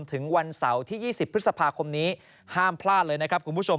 ถึงวันเสาร์ที่๒๐พฤษภาคมนี้ห้ามพลาดเลยนะครับคุณผู้ชม